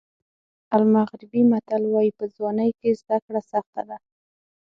المغربي متل وایي په ځوانۍ کې زده کړه سخته ده.